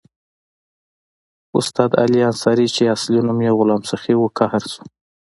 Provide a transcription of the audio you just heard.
استاد علي انصاري چې اصلي نوم یې غلام سخي وو قهر شو.